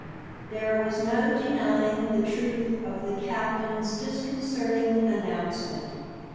There was no denying the truth of the captain's disconcerting announcement.